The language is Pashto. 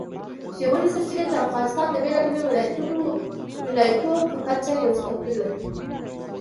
ژورې سرچینې د افغانستان د بېلابېلو ولایاتو په کچه یو څه توپیر لري.